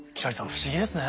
不思議ですね。